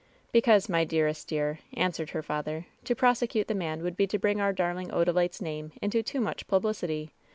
^'Because, my dearest dear," answered her father, "to prosecute the man would be to bring our darling Oda lite's name into too much publicity.